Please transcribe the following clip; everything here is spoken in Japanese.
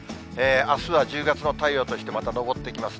あすは１０月の太陽として、また昇ってきます。